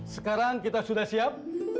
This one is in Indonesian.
sekarang kita sudah siap